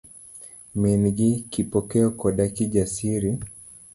Min gi, Kipokeo koda Kijasiri.